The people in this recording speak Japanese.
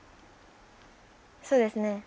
そうですね。